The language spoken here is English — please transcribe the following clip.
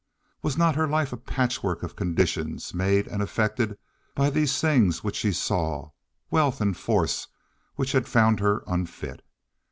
Was not her life a patchwork of conditions made and affected by these things which she saw—wealth and force—which had found her unfit?